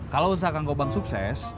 kalau usaha kangkobang sukses